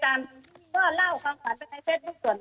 ก็เล่าความฝันไปในเฟสบุคคลส่วนตัวค่ะไม่ได้กำลังที่อื่น